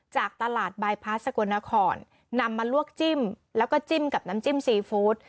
จากตลาดบายพาสสกลนครนำมาลวกจิ้มแล้วก็จิ้มกับน้ำจิ้มซีฟู้ด